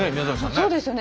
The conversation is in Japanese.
そうですね。